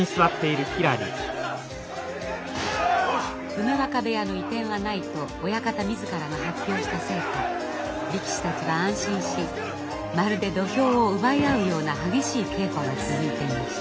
梅若部屋の移転はないと親方自らが発表したせいか力士たちは安心しまるで土俵を奪い合うような激しい稽古が続いていました。